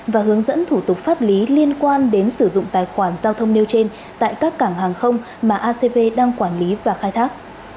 và hướng dẫn thủ tục pháp lý liên quan đến sử dụng tài khoản giao thông nêu trên tại các cảng hàng không mà acv đang quản lý và khai thác